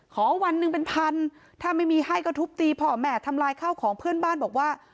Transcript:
วันหนึ่งเป็นพันถ้าไม่มีให้ก็ทุบตีพ่อแม่ทำลายข้าวของเพื่อนบ้านบอกว่า